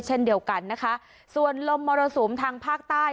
เช่นเดียวกันส่วนลมมอระสูมฟ้างภาคใต้